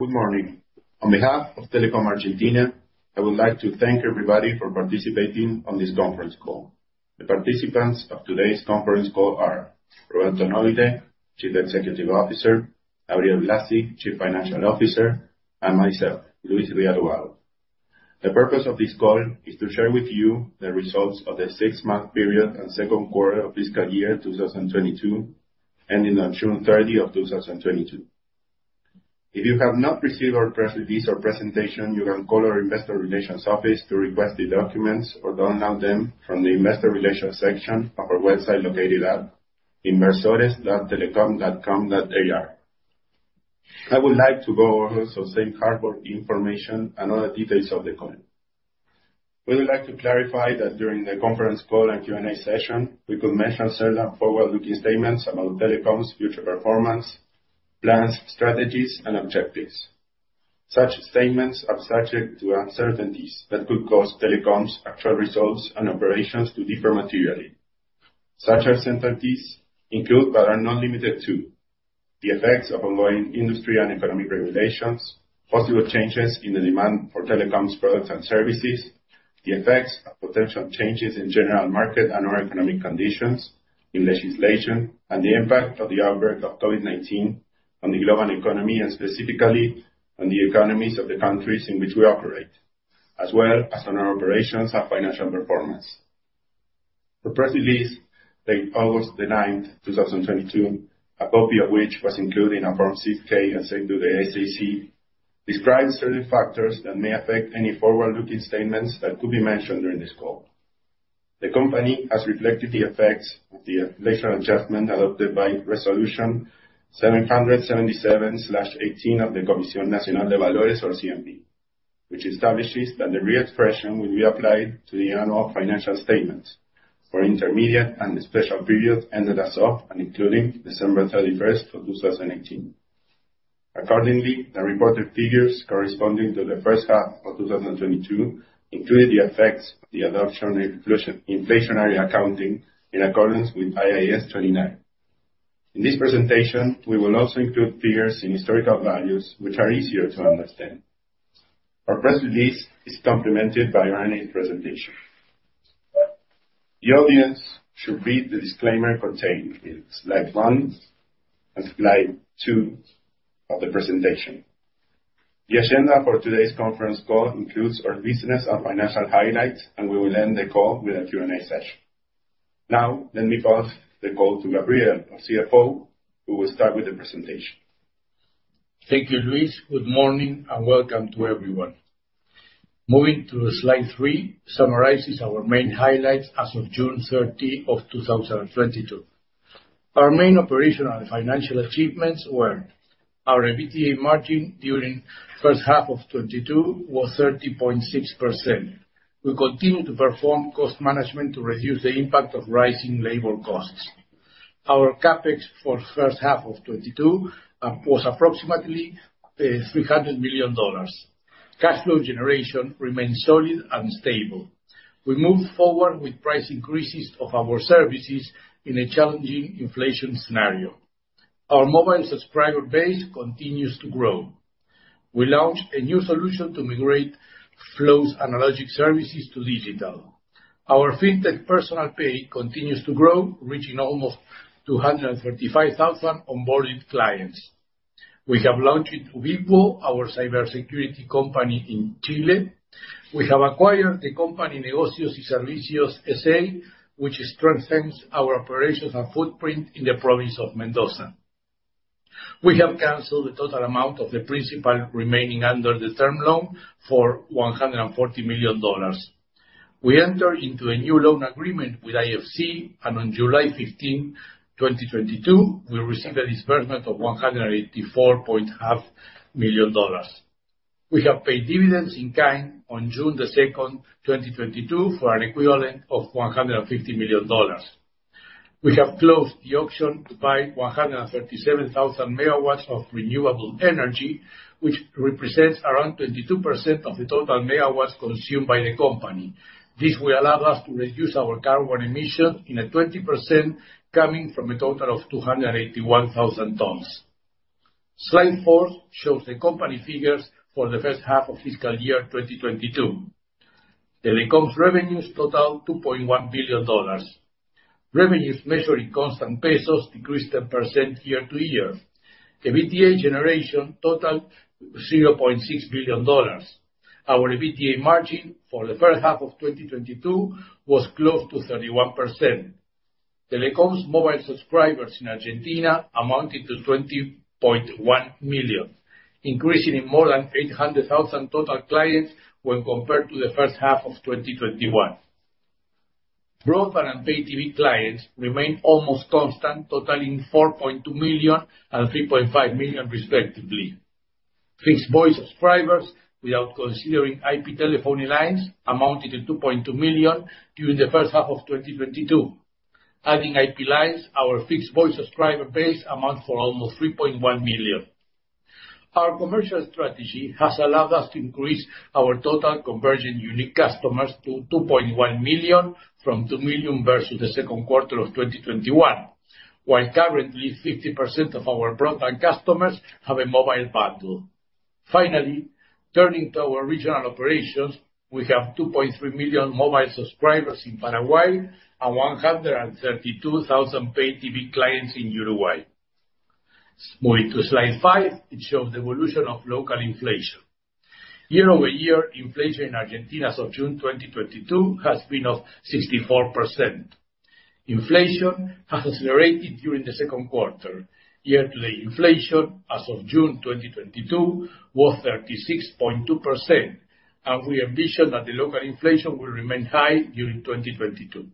Good morning. On behalf of Telecom Argentina, I would like to thank everybody for participating on this conference call. The participants of today's conference call are Roberto Nobile, Chief Executive Officer, Gabriel Blasi, Chief Financial Officer, and myself, Luis Rial Ubago. The purpose of this call is to share with you the results of the six-month period and second quarter of fiscal year 2022, ending on June 30 of 2022. If you have not received our press release or presentation, you can call our investor relations office to request the documents or download them from the investor relations section of our website located at inversores.telecom.com.ar. I would like to go over some hardcore information and other details of the call. We would like to clarify that during the conference call and Q&A session, we could mention certain forward-looking statements about Telecom's future performance, plans, strategies, and objectives. Such statements are subject to uncertainties that could cause Telecom's actual results and operations to differ materially. Such uncertainties include, but are not limited to, the effects of ongoing industry and economic regulations, possible changes in the demand for Telecom's products and services, the effects of potential changes in general market and/or economic conditions, in legislation, and the impact of the outbreak of COVID-19 on the global economy, and specifically on the economies of the countries in which we operate, as well as on our operations and financial performance. The press release dated August 9, 2022, a copy of which was included in Form 6-K and sent to the SEC, describes certain factors that may affect any forward-looking statements that could be mentioned during this call. The company has reflected the effects of the inflation adjustment adopted by Resolution 777/18 of the Comisión Nacional de Valores, or CNV, which establishes that the reexpression will be applied to the annual financial statements for intermediate and special periods ended as of, and including, December 31, 2018. Accordingly, the reported figures corresponding to the first half of 2022 include the effects of the adoption of inflationary accounting in accordance with IAS 29. In this presentation, we will also include figures in historical values which are easier to understand. Our press release is complemented by our annual presentation. The audience should read the disclaimer contained in slide one and slide two of the presentation. The agenda for today's conference call includes our business and financial highlights, and we will end the call with a Q&A session. Now, let me pass the call to Gabriel, our CFO, who will start with the presentation. Thank you, Luis. Good morning, and welcome to everyone. Moving to slide three summarizes our main highlights as of June 30, 2022. Our main operational and financial achievements were our EBITDA margin during first half of 2022 was 30.6%. We continued to perform cost management to reduce the impact of rising labor costs. Our CapEx for the first half of 2022 was approximately $300 million. Cash flow generation remains solid and stable. We moved forward with price increases of our services in a challenging inflation scenario. Our mobile subscriber base continues to grow. We launched a new solution to migrate Flow's analog services to digital. Our Fintech Personal Pay continues to grow, reaching almost 235,000 onboarded clients. We have launched Ubiquo, our cybersecurity company in Chile. We have acquired the company Negocios y Servicios S.A., which strengthens our operations and footprint in the province of Mendoza. We have canceled the total amount of the principal remaining under the term loan for $140 million. We entered into a new loan agreement with IFC, and on July 15, 2022, we received a disbursement of $184.5 million. We have paid dividends in kind on June 2, 2022, for an equivalent of $150 million. We have closed the auction to buy 137,000 MW of renewable energy, which represents around 22% of the total megawatts consumed by the company. This will allow us to reduce our carbon emission in a 20%, coming from a total of 281,000 tons. Slide four shows the company figures for the first half of fiscal year 2022. Telecom's revenues total $2.1 billion. Revenues measured in constant pesos decreased 10% year to year. EBITDA generation totaled $0.6 billion. Our EBITDA margin for the first half of 2022 was close to 31%. Telecom's mobile subscribers in Argentina amounted to 20.1 million, increasing in more than 800,000 total clients when compared to the first half of 2021. Broadband and pay TV clients remain almost constant, totaling 4.2 million and 3.5 million respectively. Fixed voice subscribers, without considering IP telephony lines, amounted to 2.2 million during the first half of 2022. Adding IP lines, our fixed voice subscriber base amount for almost 3.1 million. Our commercial strategy has allowed us to increase our total conversion unique customers to 2.1 million from 2 million versus the second quarter of 2021, while currently 50% of our broadband customers have a mobile bundle. Finally, turning to our regional operations, we have 2.3 million mobile subscribers in Paraguay and 132,000 pay TV clients in Uruguay. Moving to slide five. It shows the evolution of local inflation. Year-over-year, inflation in Argentina as of June 2022 has been of 64%. Inflation has accelerated during the second quarter. Year-to-date inflation as of June 2022 was 36.2%, and we envision that the local inflation will remain high during 2022.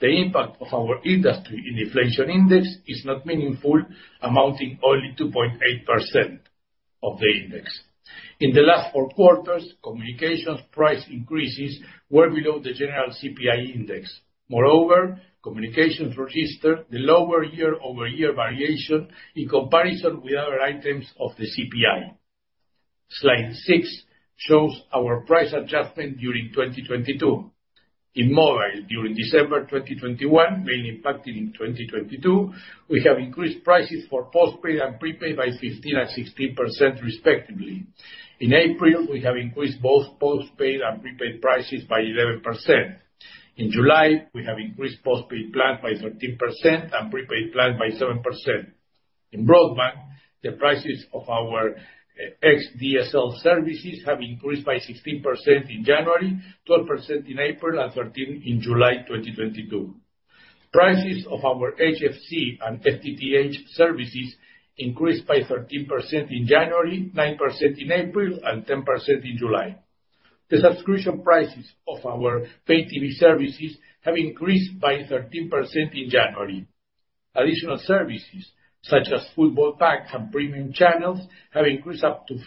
The impact of our industry in inflation index is not meaningful, amounting only 2.8% of the index. In the last four quarters, communications price increases were below the general CPI index. Moreover, communications registered the lower year-over-year variation in comparison with other items of the CPI. Slide six shows our price adjustment during 2022. In mobile, during December 2021, mainly impacted in 2022, we have increased prices for postpaid and prepaid by 15% and 16% respectively. In April, we have increased both postpaid and prepaid prices by 11%. In July, we have increased postpaid plan by 13% and prepaid plan by 7%. In broadband, the prices of our xDSL services have increased by 16% in January, 12% in April, and 13% in July 2022. Prices of our HFC and FTTH services increased by 13% in January, 9% in April, and 10% in July. The subscription prices of our pay TV services have increased by 13% in January. Additional services, such as football packs and premium channels, have increased up to 15%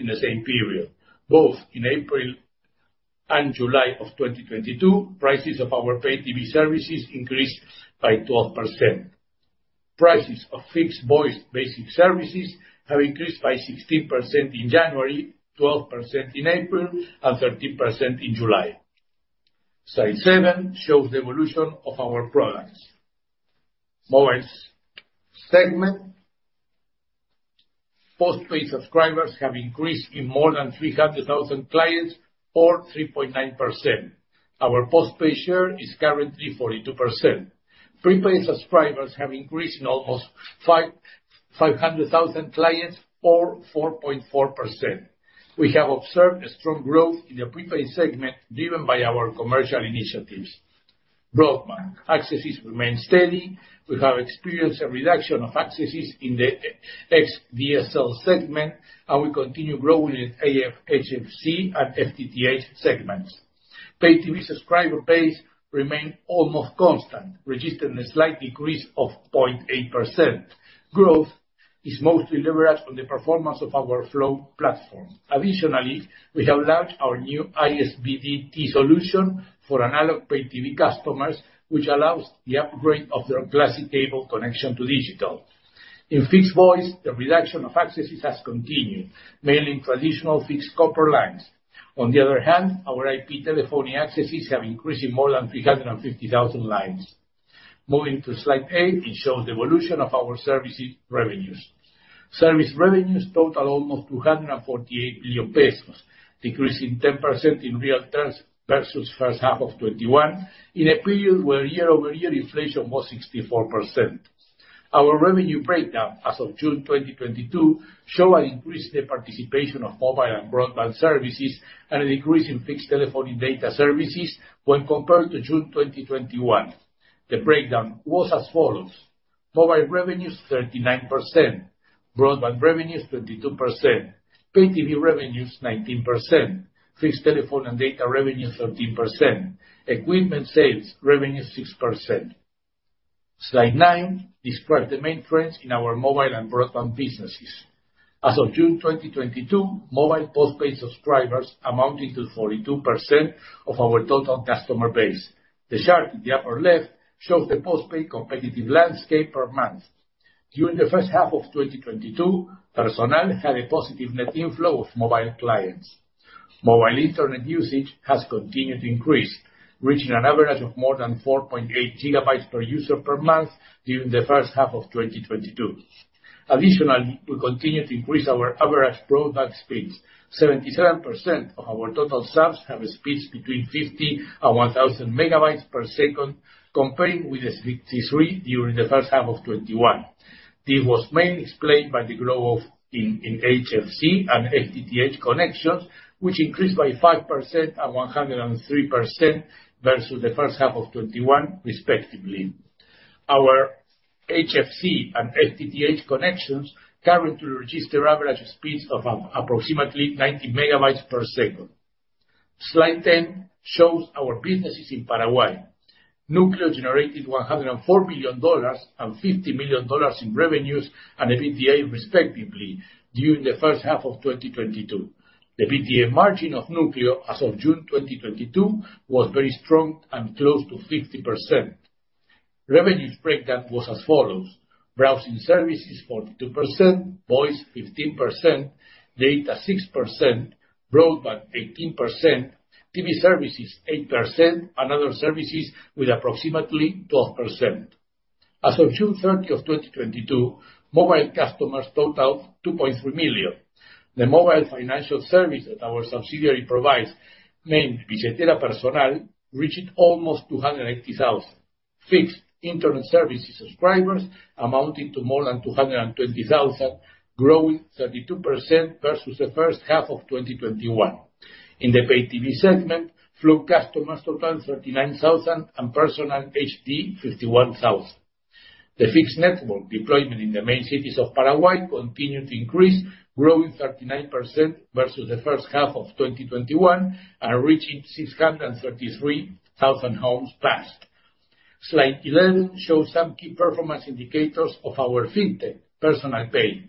in the same period, both in April and July of 2022. Prices of our pay TV services increased by 12%. Prices of fixed voice basic services have increased by 16% in January, 12% in April, and 13% in July. Slide seven shows the evolution of our products. Mobile segment. Postpaid subscribers have increased by more than 300,000 clients or 3.9%. Our postpaid share is currently 42%. Prepaid subscribers have increased by almost 550,000 clients or 4.4%. We have observed a strong growth in the prepaid segment driven by our commercial initiatives. Broadband accesses remain steady. We have experienced a reduction of accesses in the xDSL segment, and we continue growing in AF, HFC, and FTTH segments. Pay TV subscriber base remain almost constant, registering a slight decrease of 0.8%. Growth is mostly leveraged on the performance of our Flow platform. Additionally, we have launched our new ISDB-T solution for analog pay TV customers, which allows the upgrade of their classic cable connection to digital. In fixed voice, the reduction of accesses has continued, mainly in traditional fixed copper lines. On the other hand, our IP telephony accesses have increased in more than 350,000 lines. Moving to slide eight, it shows the evolution of our services revenues. Service revenues total almost 248 million pesos, decreasing 10% in real terms versus first half of 2021, in a period where year-over-year inflation was 64%. Our revenue breakdown as of June 2022 shows an increase in the participation of mobile and broadband services and a decrease in fixed telephone and data services when compared to June 2021. The breakdown was as follows. Mobile revenues, 39%. Broadband revenues, 22%. Pay TV revenues, 19%. Fixed telephone and data revenues, 13%. Equipment sales revenues, 6%. Slide nine describes the main trends in our mobile and broadband businesses. As of June 2022, mobile postpaid subscribers amounted to 42% of our total customer base. The chart in the upper left shows the postpaid competitive landscape per month. During the first half of 2022, Personal had a positive net inflow of mobile clients. Mobile Internet usage has continued to increase, reaching an average of more than 4.8 GB per user per month during the first half of 2022. Additionally, we continue to increase our average broadband speeds. 77% of our total subs have speeds between 50 and 1,000 Mbps, comparing with the 63% during the first half of 2021. This was mainly explained by the growth in HFC and FTTH connections, which increased by 5% and 103% versus the first half of 2021 respectively. Our HFC and FTTH connections currently register average speeds of approximately 90 Mbps. Slide 10 shows our businesses in Paraguay. Núcleo generated $104 million and $50 million in revenues and EBITDA respectively during the first half of 2022. The EBITDA margin of Núcleo as of June 2022 was very strong and close to 50%. Revenues breakdown was as follows. Browsing services, 42%. Voice, 15%. Data, 6%. Broadband, 18%. TV services, 8%, and other services with approximately 12%. As of June 30, 2022, mobile customers total 2.3 million. The mobile financial service that our subsidiary provides, named Personal Pay, reached almost 280,000. Fixed internet services subscribers amounted to more than 220,000, growing 32% versus the first half of 2021. In the pay TV segment, Flow customers total 39,000 and Personal HD 51,000. The fixed network deployment in the main cities of Paraguay continued to increase, growing 39% versus the first half of 2021 and reaching 633,000 homes passed. Slide 11 shows some key performance indicators of our FinTech, Personal Pay.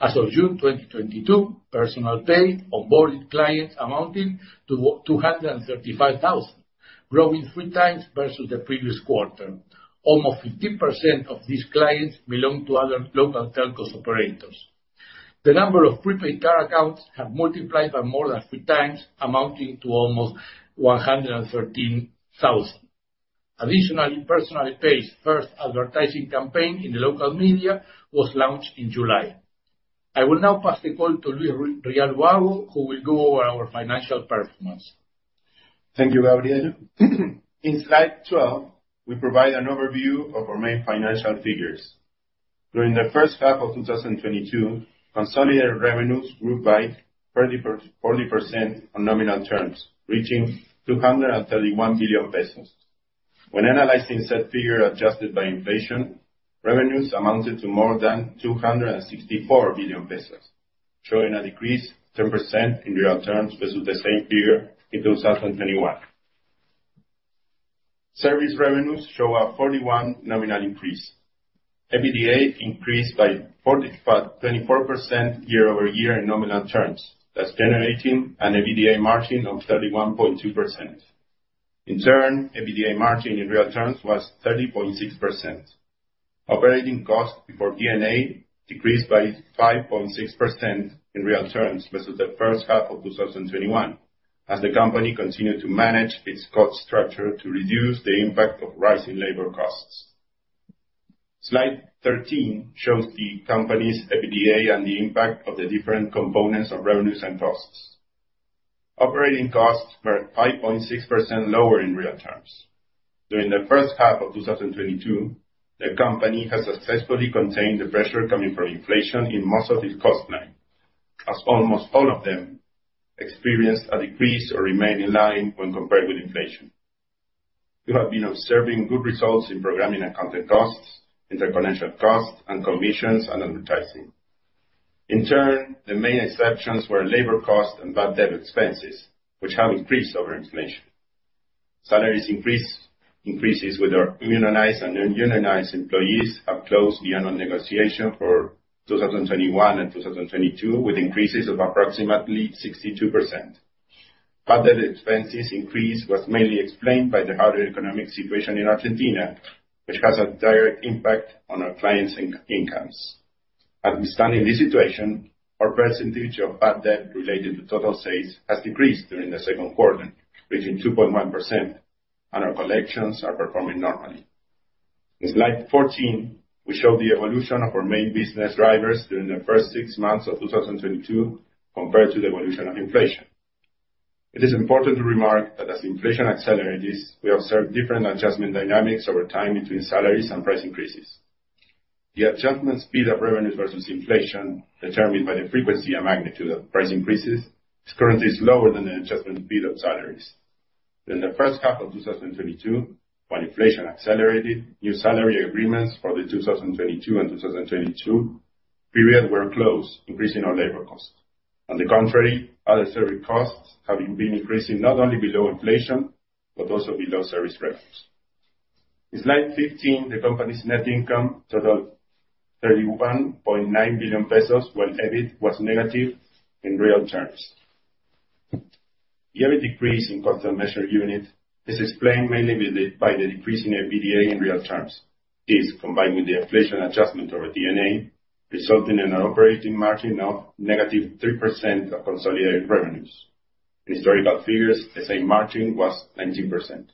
As of June 2022, Personal Pay onboarded clients amounting to 235,000, growing 3 times versus the previous quarter. Almost 15% of these clients belong to other local telco operators. The number of prepaid card accounts have multiplied by more than 3 times, amounting to almost 113,000. Additionally, Personal Pay's first advertising campaign in the local media was launched in July. I will now pass the call to Luis Rial Ubago, who will go over our financial performance. Thank you, Gabriel. In slide 12, we provide an overview of our main financial figures. During the first half of 2022, consolidated revenues grew by 40% on nominal terms, reaching 231 billion pesos. When analyzing said figure adjusted by inflation, revenues amounted to more than 264 billion pesos, showing a decrease 10% in real terms versus the same figure in 2021. Service revenues show a 41% nominal increase. EBITDA increased by 45.24% year-over-year in nominal terms, thus generating an EBITDA margin of 31.2%. In turn, EBITDA margin in real terms was 30.6%. Operating costs before D&A decreased by 5.6% in real terms versus the first half of 2021, as the company continued to manage its cost structure to reduce the impact of rising labor costs. Slide 13 shows the company's EBITDA and the impact of the different components of revenues and costs. Operating costs were 5.6% lower in real terms. During the first half of 2022, the company has successfully contained the pressure coming from inflation in most of its cost line, as almost all of them experienced a decrease or remained in line when compared with inflation. We have been observing good results in programming and content costs, interconnection costs, and commissions and advertising. In turn, the main exceptions were labor costs and bad debt expenses, which have increased over inflation. Salary increases with our unionized and non-unionized employees have closed beyond negotiation for 2021 and 2022, with increases of approximately 62%. Bad debt expenses increase was mainly explained by the harder economic situation in Argentina, which has a direct impact on our clients' incomes. Understanding this situation, our percentage of bad debt related to total sales has decreased during the second quarter, reaching 2.1%, and our collections are performing normally. In slide 14, we show the evolution of our main business drivers during the first six months of 2022 compared to the evolution of inflation. It is important to remark that as inflation accelerates, we observe different adjustment dynamics over time between salaries and price increases. The adjustment speed of revenues versus inflation, determined by the frequency and magnitude of price increases, is currently slower than the adjustment speed of salaries. In the first half of 2022, when inflation accelerated, new salary agreements for the 2022 and 2022 period were closed, increasing our labor cost. On the contrary, other service costs have been increasing not only below inflation, but also below service revenues. In slide 15, the company's net income totaled 31.9 billion pesos, while EBIT was negative in real terms. The EBIT decrease in constant measure unit is explained mainly by the decrease in EBITDA in real terms. This, combined with the inflation adjustment of our D&A, resulting in an operating margin of negative 3% of consolidated revenues. In historical figures, the same margin was 19%.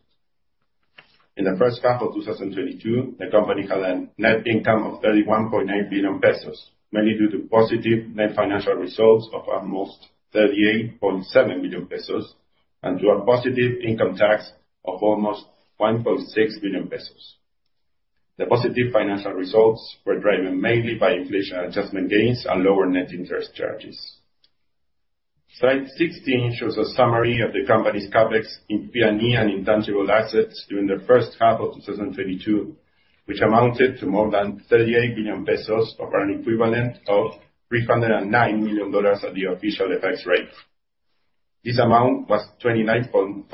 In the first half of 2022, the company had a net income of 31.9 billion pesos, mainly due to positive net financial results of almost 38.7 billion pesos, and to a positive income tax of almost 1.6 billion pesos. The positive financial results were driven mainly by inflation adjustment gains and lower net interest charges. Slide 16 shows a summary of the company's CapEx in PP&E and intangible assets during the first half of 2022, which amounted to more than 38 billion pesos, or an equivalent of $309 million at the official FX rate. This amount was 29.5%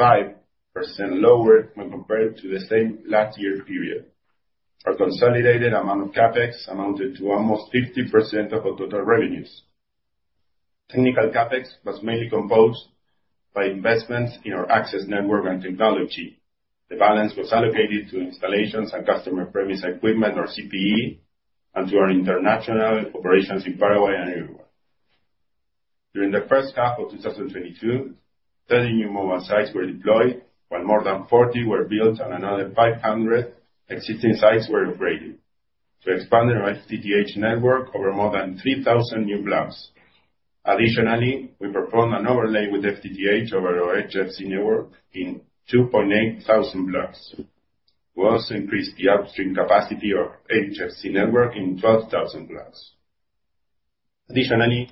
lower when compared to the same last year period. Our consolidated amount of CapEx amounted to almost 50% of our total revenues. Technical CapEx was mainly composed by investments in our access network and technology. The balance was allocated to installations and Customer Premise Equipment, or CPE, and to our international operations in Paraguay and Uruguay. During the first half of 2022, 30 new mobile sites were deployed, while more than 40 were built and another 500 existing sites were upgraded to expand our FTTH network over more than 3,000 new blocks. Additionally, we performed an overlay with FTTH over our HFC network in 2,800 blocks. We also increased the upstream capacity of HFC network in 12,000 blocks. Additionally,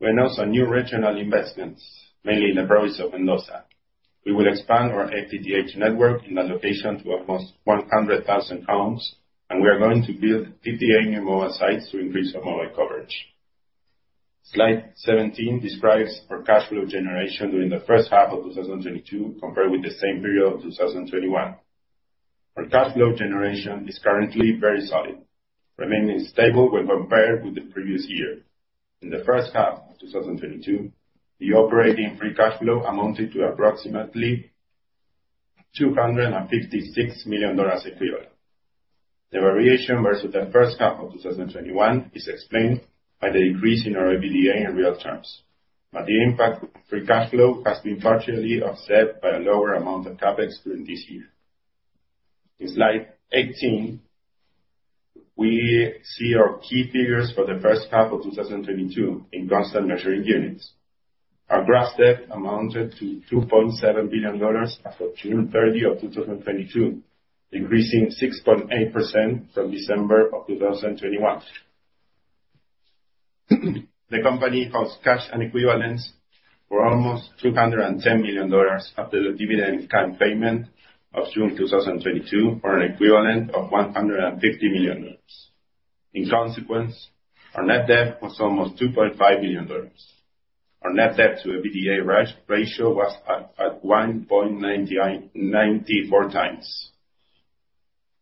we announced some new regional investments, mainly in the province of Mendoza. We will expand our FTTH network in that location to almost 100,000 homes, and we are going to build 58 new mobile sites to increase our mobile coverage. Slide 17 describes our cash flow generation during the first half of 2022 compared with the same period of 2021. Our cash flow generation is currently very solid, remaining stable when compared with the previous year. In the first half of 2022, the operating free cash flow amounted to approximately $256 million equivalent. The variation versus the first half of 2021 is explained by the increase in our EBITDA in real terms. The impact of free cash flow has been partially offset by a lower amount of CapEx during this year. In Slide 18, we see our key figures for the first half of 2022 in constant measuring units. Our gross debt amounted to $2.7 billion as of June 30, 2022, increasing 6.8% from December 2021. The company holds cash and equivalents for almost $210 million after the dividend current payment of June 2022, for an equivalent of $150 million. In consequence, our net debt was almost $2.5 billion. Our net debt to EBITDA ratio was at 1.94x.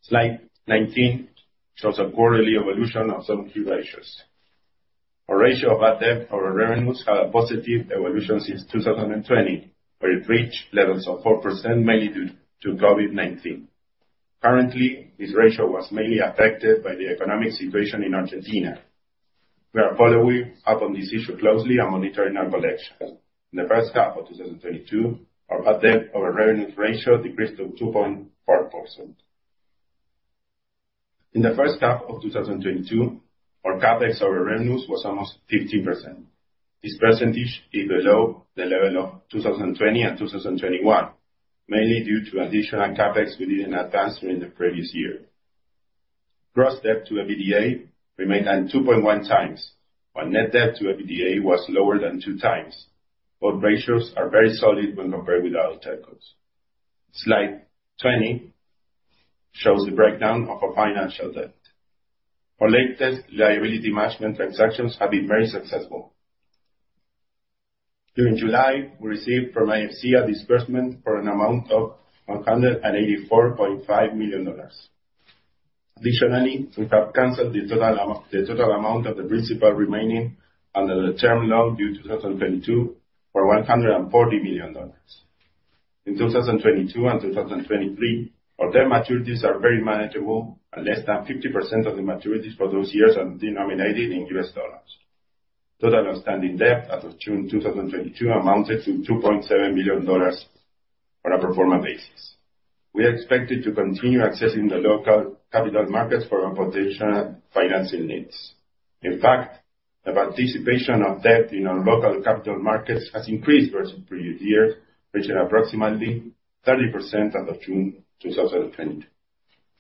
Slide 19 shows a quarterly evolution of some key ratios. Our ratio of bad debt over our revenues had a positive evolution since 2020, where it reached levels of 4%, mainly due to COVID-19. Currently, this ratio was mainly affected by the economic situation in Argentina. We are following up on this issue closely and monitoring our collections. In the first half of 2022, our bad debt over our revenues ratio decreased to 2.4%. In the first half of 2022, our CapEx over revenues was almost 15%. This percentage is below the level of 2020 and 2021, mainly due to additional CapEx we did in advance during the previous year. Gross debt to EBITDA remained at 2.1x, while net debt to EBITDA was lower than 2x. Both ratios are very solid when compared with our telcos. Slide 20 shows the breakdown of our financial debt. Our latest liability management transactions have been very successful. During July, we received from IFC a disbursement for an amount of $184.5 million. Additionally, we have canceled the total amount of the principal remaining under the term loan due 2022 for $140 million. In 2022 and 2023, our debt maturities are very manageable, and less than 50% of the maturities for those years are denominated in U.S. dollars. Total outstanding debt as of June 2022 amounted to $2.7 billion on a pro forma basis. We are expected to continue accessing the local capital markets for our potential financing needs. In fact, the participation of debt in our local capital markets has increased versus previous years, reaching approximately 30% as of June 2022.